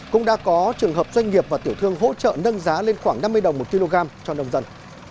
cũng đã có trường hợp doanh nghiệp và tiểu thương hỗ trợ nâng giá lên khoảng năm mươi đồng một kg cho nông dân